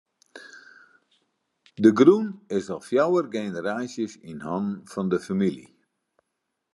De grûn is al fjouwer generaasjes yn hannen fan de famylje.